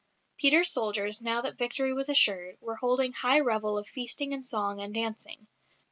Peter's soldiers, now that victory was assured, were holding high revel of feasting and song and dancing.